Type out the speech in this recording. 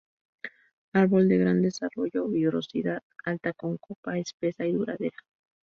Árbol de gran desarrollo, vigorosidad alta, con copa espesa y duradera.